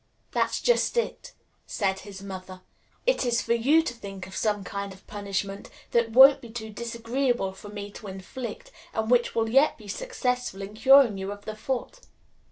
"That's just it," said his mother, "It is for you to think of some kind of punishment that won't be too disagreeable for me to inflict, and which will yet be successful in curing you of the fault.